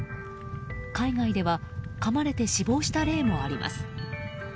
海外ではかまれて死亡した例もあります。